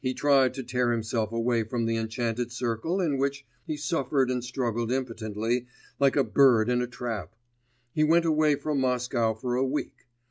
He tried to tear himself away from the enchanted circle in which he suffered and struggled impotently like a bird in a trap; he went away from Moscow for a week.